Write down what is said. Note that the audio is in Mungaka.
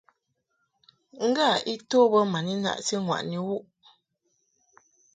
Ngâ a to bə ma ni naʼti ŋwàʼni wuʼ bə.